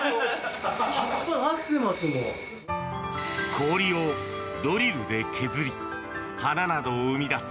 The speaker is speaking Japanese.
氷をドリルで削り花などを生み出す